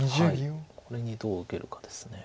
これにどう受けるかです。